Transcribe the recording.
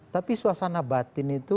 tapi suasana batin itu